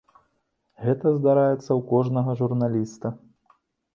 Гэта здараецца ў кожнага журналіста.